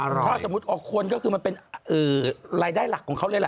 ถ้าสมมุติออกคนก็คือมันเป็นรายได้หลักของเขาเลยล่ะ